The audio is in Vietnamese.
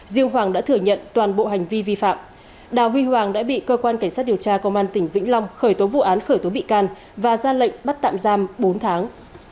riêng hoàng đã thừa nhận toàn bộ hành vi vi phạm đào huy hoàng đã bị cơ quan cảnh sát điều tra công an tỉnh vĩnh long khởi tố vụ án khởi tố bị can và ra lệnh bắt tạm giam bốn tháng